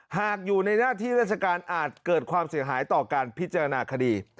หากอยู่ในหน้าที่ราชการอาจเกิดความเสียหายต่อการพิจารณาคดี